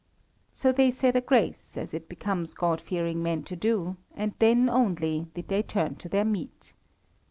So they said a grace, as it becomes God fearing men to do, and then only did they turn to their meat.